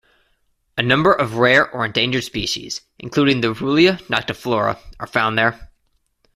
A number of rare or endangered species, including the "Ruellia noctiflora", are found there.